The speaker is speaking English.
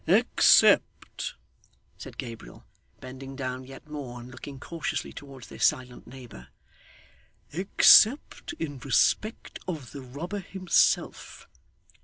'Except,' said Gabriel, bending down yet more, and looking cautiously towards their silent neighhour, 'except in respect of the robber himself.